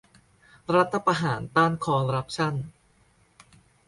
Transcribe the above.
รัฐประหารต้านคอรัปชั่น